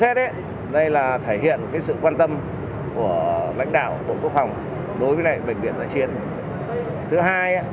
hết đây là thể hiện cái sự quan tâm của lãnh đạo bộ quốc phòng đối với bệnh viện giải chiến thứ hai